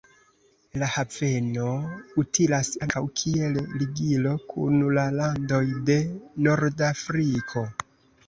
La haveno utilas ankaŭ kiel ligilo kun la landoj de Nordafriko.